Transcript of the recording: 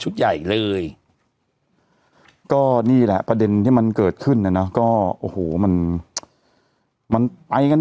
ใหญ่เลยก็นี่แหละประเด็นที่มันเกิดขึ้นน่ะนะก็โอ้โหมันมันไปกัน